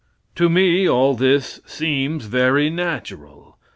To me all this seems very natural.